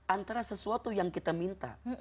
antara sesuatu yang kita minta